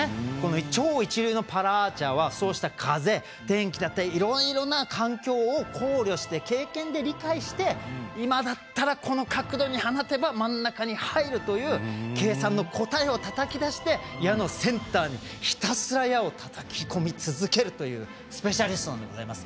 超一流のパラアーチェリーはそうした風や天気だったりいろいろな環境を考慮して経験で理解して今だったらこの角度に放てば真ん中に入るという、計算の答えをたたき出してセンターに、ひたすら矢をたたき込み続けるというスペシャリストでございます。